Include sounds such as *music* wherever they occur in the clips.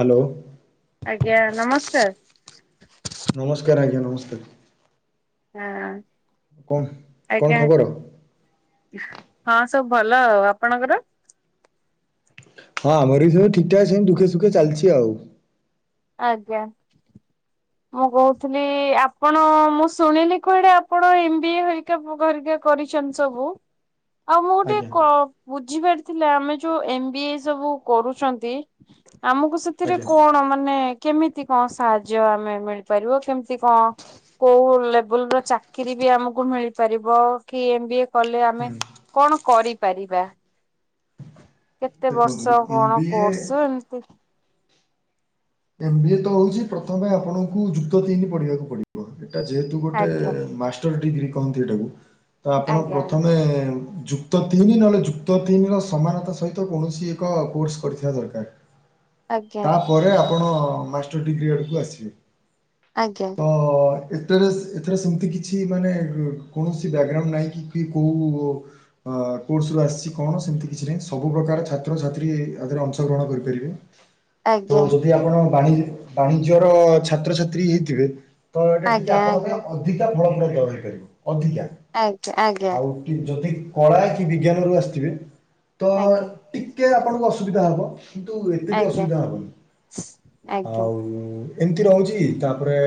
Hello ଆଜ୍ଞା ନମସ୍କାର। ନମସ୍କାର ଆଜ୍ଞା ନମସ୍କାର। ହଁ କଣ କଣ ଆଜ୍ଞା ଖବର? ହଁ ସବୁ ଭଲ ଆଉ ଆପଣଙ୍କର? ହଁ ଆମର ବି ସବୁ ଠିକ ଠାକ ସେମିତି ଦୁଖେ ସୁଖେ ଚାଲିଚି ଆଉ। ଆଜ୍ଞା। ମୁଁ କହୁଥିଲି ଆପଣ ମୁଁ ଶୁଣିଲି କୁଆଡେ ଆପଣ ଏମ୍ ବି ଏ ହରିକା ଭ ଗରିକ କରିଛନ୍ ସବୁ। ହ ଆଉ ମୁଁ ଟିକେ କ ବୁଝିପାରିଥିଲେ ଆମେ ଯୋଉ ଏମ ବି ଏ ସବୁ କରୁଛନ୍ତି ଆମକୁ ସେ ଥିରେ ଆଜ୍ଞା କଣ ମାନେ କେମିତି କଣ ସାହାଯ୍ୟ ଆମେ ପାରିବ କେମିତି କଣ କୋଉ ଲେବୁଲର ଚାପ ଚାକିରି ବି ଆମକୁ ମିଳିପାରିବ କି ଏମ ବି ଏ କଲେ ଆମେ ହୁଁ। କଣ କରିପାରିବା। କେତେ ଦେଖନ୍ତୁ ବର୍ଷ ଏମ୍ କଣ ବି ଏ କୋର୍ସ ଏମିତି ଏମ୍ ବି ଏ ତ ହଉଚି ପ୍ରଥମେ ଆପଣଙ୍କୁ ଯୁକ୍ତ ତିନି ପଢିବାକୁ ପଡିବ। ଏଟା ଯେହେତୁ ଗୋଟେ ଆଜ୍ଞା ମାଷ୍ଟର ଡିଗ୍ରୀ କହନ୍ତି ଏଇଟାକୁ। ତ ଆପଣ ଆଜ୍ଞା ପ୍ରଥମେ କ୍ତ ତିନି ନହେଲେ ଯୁକ୍ତ ତିନି ର ସମାନତା ସହିତ କୌଣସି ଏକ କୋର୍ସ କରିଥିବା ଦରକାର। ଆଜ୍ଞା। ପରେ ଆପଣ ମାଷ୍ଟର୍ ଡିଗ୍ରୀ ଆଡ଼କୁ ଆସିବେ। ଆଜ୍ଞା। ଓ ହୋ। ଏଥରେ ଏଥର ସେମତି କିଛି ମାନେ କୌଣସି ବ୍ୟାଗ୍ରାଉଣ୍ଡ ନାହିଁ କି କୋଉ ଅ କୋର୍ସ ରୁ ଆସିଛି କଣ ସେମିତି କିଛି ନାହିଁ ସବୁ ପ୍ରକାର ଛାତ୍ରଛାତ୍ରୀରେ ଅଂଶଗ୍ରହଣ କରିପାରିବେ। ତ ଆଜ୍ଞା। ଯଦି ଆପଣି ବାଣିଜ୍ୟର ଛାତ୍ରଛାତ୍ରୀ ହେଇଥିବେ ତ ଏଇଟା ଟିକେ ଆଜ୍ଞା ଆପଣଙ୍କ ପାଇଁ ଅଧିକା ଫଳ *unintelligible* ଅଧିକା ଆଜ୍ଞା ଆଜ୍ଞା। ଆଉ କି ଯଦି କଳା କି ବିଜ୍ଞାନ ରୁ ଆସିଥିବେ ତ ଟିକେ ଆପଣଙ୍କୁ ଅସୁବିଧା ହବ କିନ୍ତୁ ଏତେ ବି ଆଜ୍ଞା ଅସୁବିଧା ହବନି। ଆଜ୍ଞା ଆଜ୍ଞା ଆଜ୍ଞା ଆଜ୍ଞା ଆଉ ଏମିତି ରହୁଛି ତାପରେ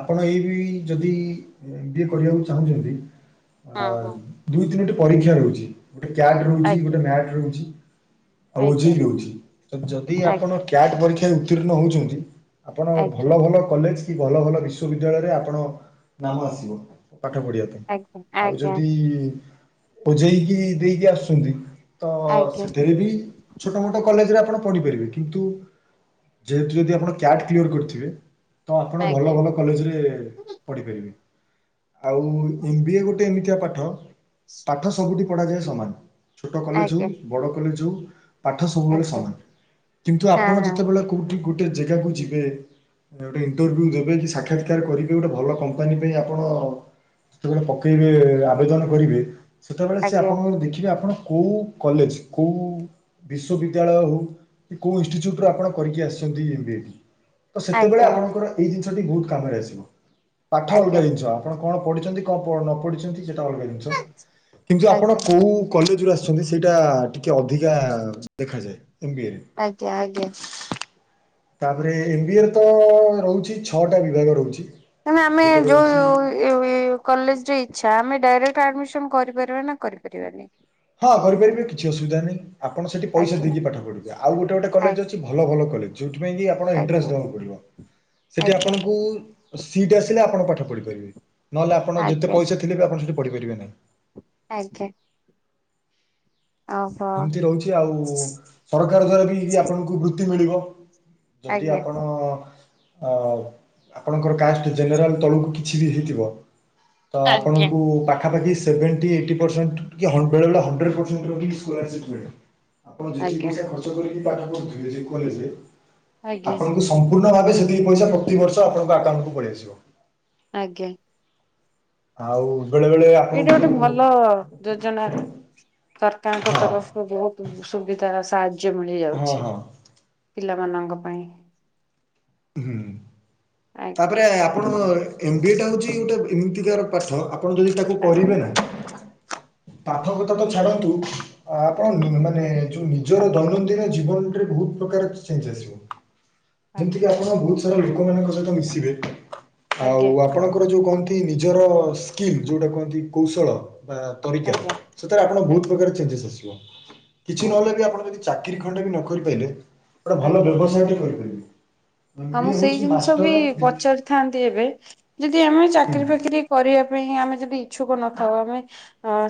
ଆପଣ ଏଇ ବି ଯଦି ଏମ ବିଏ କରିବାକୁ ଚାହୁଁଛନ୍ତି? ଆ ହଁ ହଁ ଦୁଇ ତିନଟି ପରୀକ୍ଷା ରହୁଛି ଗୋଟେ କ୍ୟାଟ ରହୁଛି ଆଜ୍ଞା ଗୋଟେ ମ୍ୟାଟ ରହୁଛି ଆଉ ଅଝେଇ ଆଜ୍ଞା ରହୁଛି ଯଦି ଆପଣ ଆଜ୍ଞା କ୍ୟାଟ ପରୀକ୍ଷା ଉତ୍ତୀର୍ଣ ହଉଛନ୍ତି। ଆପଣ ଭଲ ଭଲ କଲେଜ କି ଭଲ ଭଲ ବିଶ୍ୱବିଦ୍ୟାଳୟରେ ଆପଣ ନାମ ଆସିବ ପାଠ ପଢିବାକୁ। ଆଜ୍ଞା ଆଉ ଆଜ୍ଞା ଯଦି ବଝେଇକି ଦେଇକି ଆସୁଛନ୍ତି ତ ଆଜ୍ଞା ଆଜ୍ଞା ସେଥିରେ ବି ଛୋଟ ମୋଟ କଲେଜରେ ଆପଣ ପଢ଼ିପାରିବେ କିନ୍ତୁ ଯେହେତୁ ଯଦି ଆପଣ କ୍ୟାଟ୍ କିଲୟର କରିଥିବେ ତ ଆପଣ ଆଜ୍ଞା। ଆଜ୍ଞା ଭଲ ଭଲ ଆଜ୍ଞା କଲେଜରେ ହଁ ହଁ ପଢିପାରିବେ ଆଉ ଏମ ବି ଏ ଗୋଟେ ଏମିତିଆ ପାଠ। ପାଠ ସବୁଠି ପଢାଯାଏ ସମାନ ଛୋଟ କଲେଜ ହଉ ଆଜ୍ଞା ବଡ କଲେଜ ହଉ ପାଠ ସବୁବେଳେ ସମାନ କିନ୍ତୁ ଆପଣ ଯେତେବେଳେ କୋଉଠି ଗୋଟେ ଜାଗାକୁ ଯିବେ। ଗୋଟେ ଇଣ୍ଟରଭ୍ୟୁ ଦେବେ କି ସାକ୍ଷାତକାର କରିବେ ଗୋଟେ ଭଲ କମ୍ପାନୀ ପାଇଁ ଆପଣ ସେତେବେଳେ ପକେଇବେ ଆବେଦନ କରିବେ ସେତେବେଳେ ସେ ଆପଣଙ୍କ ଦେଖିବେ ଆପଣ କୋଉ କଲେଜ କୋଉ ବିଶ୍ଵବିଦ୍ୟାଳୟ ହଉ କି କୋଉ ଇନଷ୍ଟିଚ୍ୟୁଟ ରୁ ଆପଣ କରିକି ଆସ *inaudible* ସେତେବେଳେ ଆଜ୍ଞା ଆପଣଙ୍କର ଏଇ ଜିନିଷ ବହୁତ କାମରେ ଆସିବ। ପାଠ ଆଜ୍ଞା। ଅଲଗା ଜିନିଷ ଆପଣ କଣ ପଢିଛନ୍ତି କଣ ନ ପଢିଛନ୍ତି ସେଟା ଅଲଗା ଜିନିଷ। କିନ୍ତୁ ଆପଣ ଆଜ୍ଞା କୋଉ କଲେଜୁ ଆସୁଛନ୍ତି ସେଇଟା ଟିକେ ଅଧିକା ଦେଖାଯାଏ ଏମ୍ବଏରେ। ଆଜ୍ଞା ଆଜ୍ଞା। ତାପରେ ଏମ ବି ଏ ର ତ ରହୁଛି ଛଅଟା ବିଭାଗ ରହୁଛି। ତାମେ ଆମେ ଗୋଟେ ଯୋଉ ରହୁଛି ଏ ହୁଇ କଲେଜ ର ଇଚ୍ଛା ଆମେ ଡାଇରେକ୍ଟ ଆଡମିସନ କରିପାରିବା ନା କରିପାରିବାନି ହଁ କରିପାରିବେ କିଛି ଅସୁବିଧାନାହିଁ ଆପଣ ସେଠି ପଇସା ଆଜ୍ଞା ଦେଇକି ପାଠ ପଢି ଆଉ ଗୋଟେ ଗୋଟେ କଲେଜ ଆଜ୍ଞା ଅଛି ଭଲ ଭଲ କଲେଜ ଯୋଉଥିପାଇଁଁ କି ଆପଣ ଆଜ୍ଞା ଏଣ୍ଟାନ୍ସଦବାକୁ ପଡିବ ସେଠି ଆଜ୍ଞା ଆପଣଙ୍କୁ ସିଟି ଆସିଲେ ଆପଣ ପାଠ ପଢିପାରିବେ ନହେଲେ ଆପଣ ଯେତେ ଆଜ୍ଞା। ପଇସା ଥିଲେ ବି ଆପଣ ସେଠି ପଢିପାରିବେନି ଆଜ୍ଞା ଓହୋ ଏମିତି ରହୁଛି ଆଉ ସରକାର ଦ୍ଵାରା ବି ଆପଣଙ୍କୁ ବୃତ୍ତି ମିଳିବ ଯଦି ଆଜ୍ଞା। ଆପଣ ଆ ଆପଣଙ୍କର କାଷ୍ଟ ଜେନେରାଲ ତଳକୁ କିଛି ବି ହେଇଥିବ। ତ ଆଜ୍ଞା ଆପଣଙ୍କୁ ପାଖାପାଖି ସେଭେଣ୍ଟି ଏଇଟି ପରସେଣ୍ଟ କି ହଣ୍ଡ୍ରେଡ୍ ରୁ ହଣ୍ଡ୍ରେଡ଼୍ ପରସେଣ୍ଟ ରହି କୁଆଡେ ଯିବେ ଆପଣ ଯେତିକି ଆଜ୍ଞା ପଇସା ଘର୍ଚ୍ଚ କରିକି ପାଠ ପଢି ଥିଲେ ଏଇ କଲେଜ ରେ। ଆଜ୍ଞା ଆପଣଙ୍କୁ ସମ୍ପୂର୍ଣ୍ଣ ଭାବେ ସେତିକି ପଇସା ପ୍ରତିିବର୍ଷ ଆପଣଙ୍କ ଆକାଉଣ୍ଟକୁୁ ପଳେଇଆସିବ। ଆଜ୍ଞା ଆଉ ବେଳେବେେଳେ ଏଇଟା ଗୋଟେ ଭଲ ଯୋଜନା ସରକାରଙ୍କ ହଁ ତରଫରୁ ବହୁତ ସୁବିଧା ସାହାଯ୍ୟ ମିଳି ହଁ ଯାଉଛି ହଁ ପିଲାମାନଙ୍କ ପାଇଁ ହୁଁ ଆଜ୍ଞା ତାପରେ ଆପଣଙ୍କ ଏମ ବି ଏ ଟା ହଉଛି ଗୋଟେ ଏମିତିକା ପାଠ ଆପଣ ଯଦି ତାକୁ ଆଜ୍ଞା କରିବେ ନା ପାଠ କଥା ତ ଛାଡନ୍ତୁ। ଆପଣ ଉ ମାନେ ଆଜ୍ଞା ଜୁ ନିଜର ଦୈନନ୍ଦିନ ଜୀବନରେ ବହୁତ ପ୍ରକାର ଚେଞ୍ଜ ଆସିବ ଯେମିତି ଆଜ୍ଞା କି ଆପଣ ବ ଧର ଲୋକମାନଙ୍କ ସହିତ ମିଶିବେ ଆଉ ଆଜ୍ଞା ଆ ଆପଣଙ୍କର ଯୋଉ କହନ୍ତି ନିଜର ସ୍କିମ୍ ଯୋଉଟା କୁହନ୍ତି କୌଶଳ ବା ତରିକା, ଆଜ୍ଞା ସେଥିରେ ଆପଣ ବହୁତ ଆଜ୍ଞା। ପ୍ରକାର ଚେଞ୍ଜେସ୍ ଆସିବ, କିଛି ଆଜ୍ଞା ନହେଲେ ବି ଆପଣ ଯଦି ଚାକିରୀ ଖଣ୍ଡେ ବି ନ କରି ପାରେଲେ ଗୋଟେ ଭଲ ଆଜ୍ଞା ବ୍ୟବସାୟଟେ କରିପାରିବେ ହଁ ଏ ସେଇ ହୋଉଚି ମା ଜିନିଷ ମୁଁ ବି ପଚାରିଥାନ୍ତି ଏବେ ଯଦି ଆମେ ହୁଁ ଚାକିରି ଫାକିରି କରିବା ପାଇଁ ଆମେ ଯଦି ଇଛୁକ ନଥାଉ ଆମେ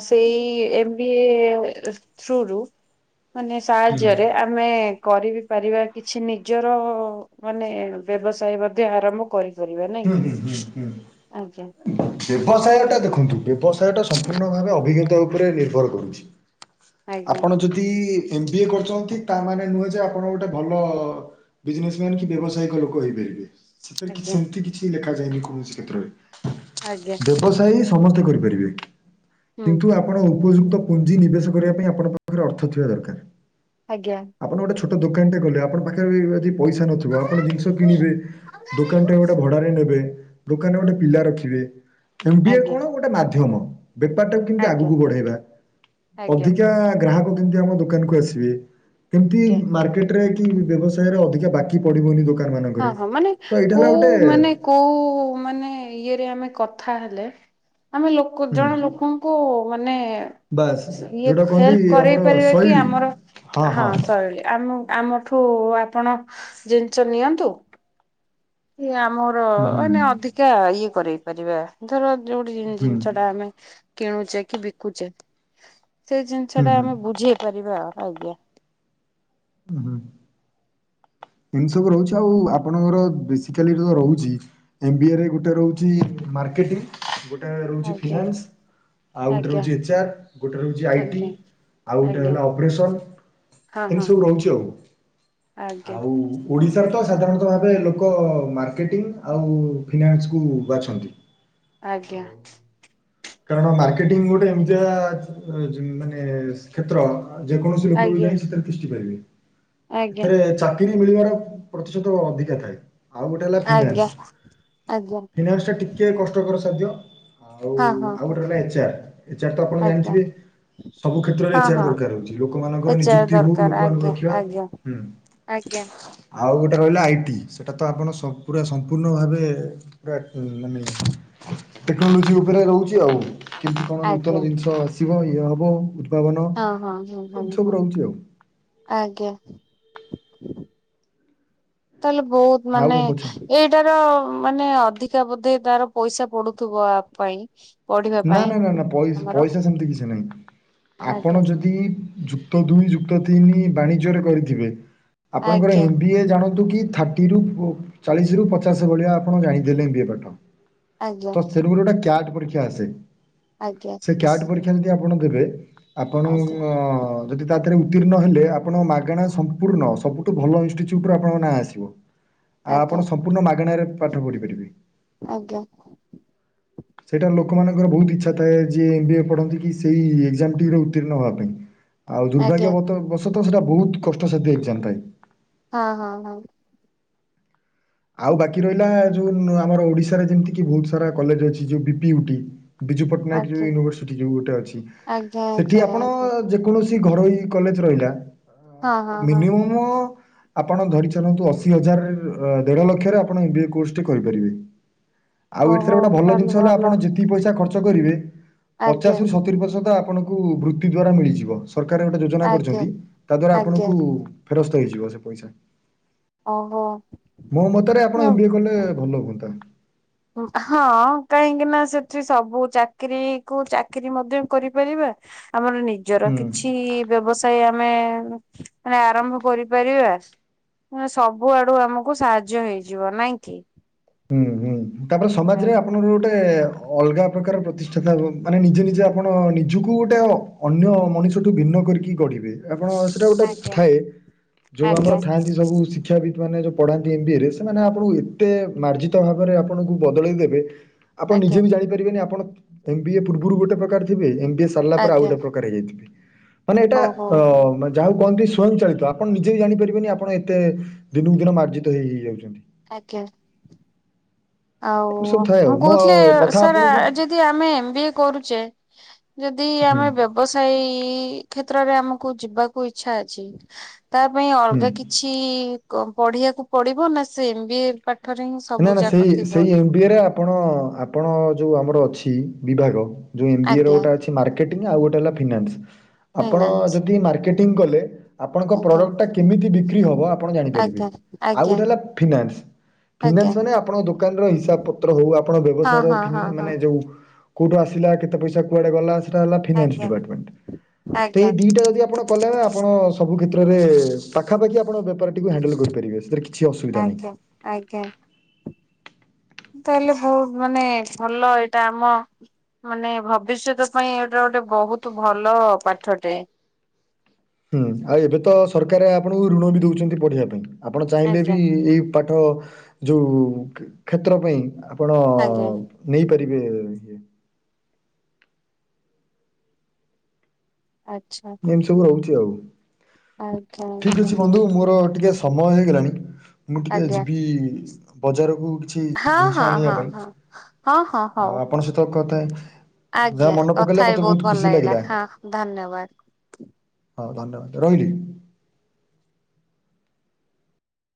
ସେଇ ଏମ୍ ବି ଏ ଥ୍ରୁରୁ ମାନେ ହୁଁ ସାହାଯ୍ୟରେ ଆମେ କରିବିି ପାରିବା କିଛି ନିଜର ମାନେ ବ୍ୟବସାୟ ମଧ୍ୟ ଆରମ୍ଭ କରିପାରିବା ନାଇଁ କି ଆଜ୍ଞା ବ୍ୟବସାୟ ଟା ଦେଖନ୍ତୁ ବ୍ୟବସାୟ ଟା ସମ୍ପୂର୍ଣ୍ଣ ଭାବେ ଅଭିଜ୍ଞତା ଉପରେ ନିର୍ଭର କରୁଛି। ଆଜ୍ଞା ଆପଣ ଯଦି ଏମ ବି ଏ କରୁଛନ୍ତି ତାମାନେ ନୁହେଁ ଯେ ଆପଣ ଗୋଟେ ଭଲ ବିଜନେସ ମ୍ୟାାନ କି ବ୍ୟବସାୟିକ ଲୋକ ହେଇପାରିବେ। ସେଥିରେ କିଚି ଆଜ୍ଞା ସେମିତି କିଛି ଲେଖା ଯାଇନି କୌଣସି କ୍ଷେତ୍ରରେ। ଆଜ୍ଞା। ବ୍ୟବସାୟ ସମସ୍ତେ କରିପାରିବେ, ହୁଁ କିନ୍ତୁ ହୁଁ ଆପଣ ଉପଯୁକ୍ତ ପୁଞ୍ଜି ନିବେଶ କରିବା ପାଇଁ ଆପଣ ପାଖରେ ଅର୍ଥ ଥିବା ଦରକାର। ଆଜ୍ଞା। ଆପଣ ଗୋଟେ ଛୋଟ ଦୋକାନ ଟେ କଲେ ଆପଣ ପାଖରେ ପଇସା ନଥିବ ଆପଣ ଜିନିଷ କିଣିବେ ଦୋକାନଟା ଗୋଟେ କି ନେବେ ଦୋକାନରେ ଗୋଟେ ପିଲା ରଖିବେ ଏମ୍ ବିଏ ଆଜ୍ଞା କଣ ଗୋଟେ ମାଧ୍ୟମ। ବେପାର ଟାକୁ କେମତି ଆଜ୍ଞା ଆଗକୁ ବଢେଇବା ଆଜ୍ଞା ଅଧିକା ଗ୍ରାହକ କେମତି ଆମ ଦୋକା ନକୁ ଆସିବେ, କେମିତି ଆଜ୍ଞା ମାର୍କେଟରେ କି ବ୍ୟବସାୟରେ ଅଧିକ ବାକି ପଡିବନି ଦୋକାନ ହଁ ମାନଙ୍କରେ, ହଁ ମାନେ ତ ଏଇଟା ହେଲା ଗୋଟେ କୋଉ ମାନେ କୋଉ ମାନେ ଇଏରେ ଆମେ କଥା ହେଲେ ଆମେ ଲୋକ କୁ ହୁଁ ଜଣେ ଲୋକଙ୍କୁ ମାନେ ବାସ୍ ଇଏ ଯୋଉଟା କହନ୍ତି ହେଲ୍ପ ଆମର କରେଇ ପାରିବା କି ଶୈଳୀ ଆମର ହଁ ଶୈଳୀ ଆମ ଆମଠୁ ଆପଣ ଜିନିଷ ନିଅନ୍ତୁ। ଇ ଆମର ହୁଁ ହୁଁ ମାନେ ଅଧିକା ଇଏ କରଇ ପାରିବା। ଧର ଯୋଉଠି ହୁଁ ଜିନିଷ ଟା ଆମେ କିଣୁଛେ କି ବିକୁଛେ ସେ ଜିନିଷ ହୁଁ ଟା ଆମେ ହୁଁ ବୁଝେଇ ପାରିବା ଆଉ ଆଜ୍ଞା। ଉଁ ହୁଁ। ଏମିତି ସବୁ ରହୁଛି ଆଉ ଆପଣଙ୍କର ବେସିକାଲି ରହୁଛି ଏମବ ଏରେ ଗୋଟେ ରହୁଛି ମାର୍କେଟିଂ ଗୋଟେ ରହୁଛି ଆଜ୍ଞା ଫିନାନ୍ସ। ଆଉ ଗୋଟେ ଆଜ୍ଞା ରହୁଛି ଏଚ ଆର୍ ଗୋଟେ ରହୁଛି ଆଇ ଟି ଆଜ୍ଞା ଆଉ ଗୋଟେ ଆଜ୍ଞା ହେଲା ଅପରେସନ୍। ହଁ ଏମିତି ହଁ ସବୁ ହଁ ରହୁଛି ଆଉ ଆଜ୍ଞା ଆଉ ଓଡ଼ିଶାରେ ତ ସାଧାରଣତଃ ଭାବେ ଲୋକ ମାର୍କେଟିଂ ଆଉ ଫି ନାନ୍ସକୁ ବାଛନ୍ତି। ଆଜ୍ଞା। ଆଉ କାରଣ ମାର୍କେଟିଂ ଗୋଟେ ଏମିତିଆ ମାନେ କ୍ଷେତ୍ର। ଯେକୌଣସି ଲୋକ ବି ଆଜ୍ଞା ଯାଇ ସେଥିରେ ତିଷ୍ଟି ପାରିବେ ଆଜ୍ଞା ଏଥିରେ ଛା ଚାକିରି ମିଳିବାର ପ୍ରତିଶତ ଅଧିକା ଥାଏ। ଆଉ ଗୋଟେ ହେଲା ଫିନାନ୍ସ ଆଜ୍ଞା ଆଜ୍ଞା ଫିନାନ୍ସ ଟା ଟିକେ କଷ୍ଟକର ସାଧ୍ୟ। ହଁ ହଁ। ଆଉ ହଁ ଗୋଟେ ହେଲା ଏଚ ଆର୍ ଏଚଆର ତ ଆପଣ ଆଜ୍ଞା ଜାଣିଥିବେ? ସବୁ କ୍ଷେତ୍ରରେ ହଁ ଏଚ ଆର ହଁ ଦରକାର ହଉଛି ଏ ଲୋକମାନଙ୍କର ଚେୟାର ନିଯୁକ୍ତି ହଉ ଦରକାର ଲୋକମାନଙ୍କୁ ଆଜ୍ଞା ରଖିବା ଆଜ୍ଞା ହୁଁ। ଆଜ୍ଞା। ଆଉ ଗୋଟେ ରହିଲା ଆଇଟି ସେଟା ତ ଆପଣ ପୁରା ସମ୍ପୂର୍ଣ୍ଣ ଭାବେ ମାନେ ଟେକ୍ନୋଲୋଜି ଉପରେ ରହୁଛି। ଆଉ କିମତି କଣ ଆଜ୍ଞା ନୂତନ ଜିନିଷ ଆସିବ ଇଏ ହବ। ପାବନ ହଁ ହଁ ହଁ ହଁ ଏମିତି ସବୁ ହଁ ରହୁଛି ଆଉ। ଆଜ୍ଞା ତାହେଲେ ବହୁତ ଆଉ ମାନେ କ'ଣ ପଚାର ଏ ଏଟାର ମାନେ ଅଧିକା ବୋଧେ ତାର ପଇସା ପଡୁଥିବା ଆ ପାଇଁ। ପଢିବା ନା ପାଇଁ ନା ନା ନା ପଇ ଆମର ପଇସା ସେମିତି କିଛି ନାହିଁ ଆଜ୍ଞା ଆପଣ ଯଦି ଜୁ କ୍ ଦୁଇ ଯୁକ୍ତ ତିନି ବାଣିଜ୍ୟରେ କରିଥିବେ ଆପଣଙ୍କର ଆଜ୍ଞା ଏମ୍ ବି ଏ ଜାଣନ୍ତୁ କି ଥା ଟିରୁ ଚାଳିଶ ରୁ ପଚାଶ ଭଳିଆ ଆପଣ ଜାଣିଦେଲେ ଏମ ବିଏ ପାଠ। ଆଜ୍ଞା। ସେ ଗୋଟେ କ୍ୟାଟ ପରୀକ୍ଷା ଆସେ ଆଜ୍ଞା। ସେ କ୍ୟାଟ ପରୀକ୍ଷା ଯଦି ଆପଣ ଦେବେ। ଆପଣ। ଯଦି ଦେରେ ଉତ୍ତୀର୍ଣ୍ଣ ହେଲେ ଆପଣଙ୍କ ମାଗଣା ସମ୍ପୂର୍ଣ୍ଣ ସବୁଠୁ ଭଲ ଇନଷ୍ଟିଚ୍ୟୁଟ ରୁ ଆପଣଙ୍କ ନାଁ ଆସିବ। ଆ ଆଜ୍ଞା ଆପଣ ସମ୍ପୂର୍ଣ୍ଣ ମାଗଣ ାରେ ପାଠ ପଢିପାରିବେ। ଆଜ୍ଞା। ସେଇଟା ଲୋକମାନଙ୍କର ବହୁତ ଇଚ୍ଛା ଥାଏ ଯିଏ ଏମ୍ ବିଏ ପଢ଼ନ୍ତି କି ସେଇ ଏକଜାମ ଟିରେ ଉତ୍ତର୍ଣ୍ଣ ହେବା ପାଇଁ। ଆଉ ଆଜ୍ଞା ଆଜ୍ଞା ଦୁର୍ଭାଗ୍ୟବତ ବଶତଃ ସେଇଟା ବହୁତ କଷ୍ଟ ସାଦ୍ଧୟ ଏକଜାମ ହୋଇଥାଏ। ହଁ ହଁ ହଁ। ଆଉ ବାକି ରହିଲା ଯୋଉ ଆମର ଓଡିଶାରେ ଯେମିତିକି ବହୁତ ସାରା କଲେଜ ଅଛି ଯଉ ବି ପିଟିୟୁଟି। ବିଜୁ ପଟ୍ଟନାୟକ ଯୋଉ ଆଜ୍ଞା। ୟୁନିଭରସିଟି ଯୋଉ ଗୋଟେ ଅଛି ଆଜ୍ଞା ସେଠି ଆଜ୍ଞା ଆପଣ ଆଜ୍ଞା ଯେକୌଣସି ଘରୋଇ କଲେଜ ରହିଲା ହଁ ହଁ ହଁ ମିନିମମ ଆପଣ ଧରି ଚାଲନ୍ତୁ ଅଶି ହଜାର ଦେଢ ଲକ୍ଷରେ ଆପଣ ଏମବିଏ କୋରସଟି କରିପାରିବେ। ଆଉ ଏଥିରେ ଓହୋ ଗୋଟେ ଭଲ ତାହେଲେ ଜିନିଷ ହେଲା ଆପଣ ଭଲ। ଯେତିକି ପଇସା ଖର୍ଚ୍ଚ କରିବେ ଆଜ୍ଞା ପଚାଶରୁୁ ସତୁରି ପ୍ରତିଶତ ଆପଣ ବୃତ୍ତି ଦ୍ଵାରା ମିଳିଯିବ ସରକାର ଗୋଟେ ଯୋଜନା ଆଜ୍ଞା କରିଛନ୍ତି ତା ଦ୍ବାରା ଆଜ୍ଞା ଆପଣଙ୍କୁ ଫେରସ୍ତ ହେଇଯିବ ସେ ପଇସା। ଓହୋ। ମୋ ମତରେ ଆପଣ ଏମବଏ କଲେ ଭଲ ହୁଅନ୍ତା। ହଁ କାହିଁକି ନା ସେଥିରେ ସବୁ ଚାକିରୀ କୁ ଚାକିରି ମଧ୍ୟ କରିପାରିବେ। ଆମର ନିଜର ହୁଁ କିଛି। ବ୍ୟବସାୟ ଆମେ ମାନେ ଆରମ୍ଭ କରିପାରିବା। ମ ସବୁ ଆଡୁ ଆମକୁ ସାହାଯ୍ୟ ହେଇଯିବ ନାଇଁ କି। ହୁଁ ହୁଁ ତାପରେ ସମାଜରେ ଆଜ୍ଞା। ଆପଣଙ୍କ ର ଗୋଟେ ଅଲଗା ପ୍ରକାର ପ୍ରତିଷ୍ଠାତା ମାନେ ନିଜେ ନିଜେ ଆପଣ ନିଜକୁ ଗୋଟେ ଅନ୍ୟ ମଣିଷଠୁ ଭିନ୍ନ କରିକି ଗଢ଼ିବେ। ଆପଣ ସେଇଟା ଗୋଟେ ଆଜ୍ଞା ଥାଏ ଯୋଉ ଆମର ଆଜ୍ଞା ଥାଆନ୍ତି ସବୁ ଶି ଶିକ୍ଷାବିତ୍ ମାନ ଯେଉଁ ପଢ଼ାନ୍ତି ଏମବି ରେ ସେମାନେ ଆପଣଙ୍କୁ ଏତେ ମାର୍ଜିତ ଭାବରେ ଆପଣଙ୍କୁ ବଦଳେଇ ଦେବେ ଆପଣ ନିଜେ ବି ଜାଣିପାରିବେନି ଆପଣ ଏମ ବି ଏ ପୂର୍ବରୁ ଗୋଟେ ପ୍ରକାର ଥିବେ ଏମବ ଏ ସାରିଲା ପରେ ଆଉ ଆଜ୍ଞା ଗୋଟେ ପ୍ରକାର ହେଇଯାଇଥିବେ। ମାନେ ଏଟା ଓହୋ ଅ ମ ଯାହାକୁ କହନ୍ତି ସ୍ୱୟଂଚାଳିତ ଆପଣ ନିଜେ ବି ଜାଣିପାରିବେନି ଆପଣ ଏତେ ଦିନକୁ ଦିନ ମାର୍ଜିତ ହେଇ ହେଇ ଯାଉଛନ୍ତି। ଆଜ୍ଞା। ଆଉ ଏମିତି ସବୁ ଥାଏ ଆଉ ମୁଁ ମୋ କହୁଥିଲି କଥା ସାର ଆପଣଙ୍କୁ ଆଜ ଯ ଆମେ ଏମବିଏ କରୁଛେ ଯଦି ହୁଁ ଆମେ ବ୍ୟ ବ୍ୟବସାୟ କ୍ଷେତ୍ରରେ ଆମକୁ ଯିବାକୁ ଇଚ୍ଛା ଅଛି ତା ପାଇଁ ହୁଁ। ଅଲଗା କିଛି କିଛି ପଢିବାକୁ ପଡିବ ନା ସେ ଏମ ବି ଏ ପାଠରେ ହିଁ ନା ସବୁ ନା ଜାକ ସେଇ ସେଇ ଏମ୍ ବିଏରେ ଆପଣ ଆପଣ ଯେଉଁ ଆମର ଅଛି ବିଭାଗ ଯେଉଁ ଏମ୍ ବିଏର ଆଜ୍ଞା ଗୋଟେ ଅଛି ମାରକେଟିଙ୍ଗ ଆଉ ଗୋଟେ ହେଲା ଫିନାନସ ଆପଣ ଫାଇନାନ୍ସ ଜଦି ମାରକେଟିଙ୍ଗ କଲେ ଆପଣଙ୍କ ଆଜ୍ଞା ପ୍ରଡ଼କ୍ଟଟା କେମିତି ବିକ୍ରି ହେବ ଆପଣ ଜାଣିପାରିବେ ଆଜ୍ଞା ଆଉ ଆଜ୍ଞା ଗୋଟେ ହେଲା ଫିନାନ୍ସ ଆଜ୍ଞା ଫିନାନ୍ସ ମାନେ ଆପଣଙ୍କ ଦୋକାନର ହିସାବ ପତ୍ର ହଉ ଆପଣ ବ୍ୟବସାୟର ହଁ ହଁ ହଁ ଫିନା ହଁ ମାନେ କୋଉଠୁ ଆସିଲା କେତେ ପଇସା କୁଆଡେ ଗଲା। ସେଟା ହେଲା ଫିନାନସ ଆଜ୍ଞା ଡିପାଟ ମେନଣ୍ଟ ଆଜ୍ଞା ଦିଟା ଆପଣ କଲେ ଆପଣ ସବୁ କ୍ଷେତ୍ରରେ ପାଖାପାଖି ଆପଣ ବେପାର ଟିକୁ ହଣ୍ଡେଲ କରିପାରିବେ *unintelligible* ନାହିଁ। ଆଜ୍ଞା ଆଜ୍ଞା। ତାହେଲେ ବହୁତ ମାନେ ଭଲ ଏଇଟା ଆମ ମାନେ ଭବିଷ୍ୟତ ପାଇଁ ଏଇଟା ଗୋଟେ ବହୁତ ଭଲ ପାଠଟେ ହୁଁ ଆଉ ଏବେ ତ ସରକାର ଆପଣଙ୍କୁ ଋଣ ବି ଦେଉଛନ୍ତି ପଢ଼ିବା ପାଇଁ ଆପଣ ଚାହିଁଲେ ଆଜ୍ଞା ବି ଏଇ ପାଠ ଯେଉଁ କ୍ଷେ-କ୍ଷେତ୍ର ପାଇଁ ଆପଣ ଆଜ୍ଞା। ନେଇପାରିବେ ଆଚ୍ଛା। ମୁ ଏମତି ସବୁ ରହୁଛି ଆଉ। ଆଜ୍ଞା। ଠିକ୍ ଅଛି ଆଜ୍ଞା ବନ୍ଧୁ ମୋର ଟିକେ ସମୟ ହେଇଗଲାଣି ମୁଁ ଟିକେ ଆଜ୍ଞା ଯିବି ବଜାରକୁ କିଛି ହଁ ଜିନିଷ ହଁ ଆଣିବା ହଁ ପାଇଁ ହଁ ହଁ ହଁ ହଉ ଆଉ ହଉ ଆପଣଙ୍କ ସହିତ କଥାଏ ଆଜ୍ଞା କଥା ଏ ବହୁତ ଭଲ ଲାଗିଲା ହଁ ଧନ୍ୟବାଦ। ହଁ ଧନ୍ୟବାଦ ରହିଲି।